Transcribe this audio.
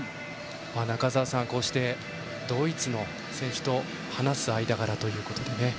中澤さん、こうしてドイツの選手と話す間柄ということで。